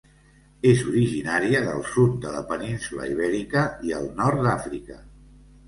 És originària del sud de la península Ibèrica i el nord d'Àfrica.